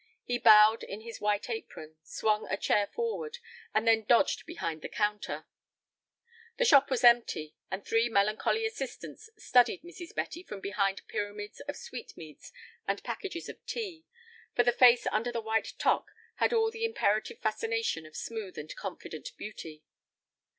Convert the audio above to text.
He bowed in his white apron, swung a chair forward, and then dodged behind the counter. The shop was empty, and three melancholy assistants studied Mrs. Betty from behind pyramids of sweetmeats and packages of tea, for the face under the white toque had all the imperative fascination of smooth and confident beauty.